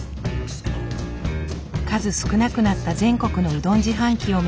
数少なくなった全国のうどん自販機を巡り